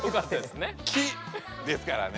「木」ですからね。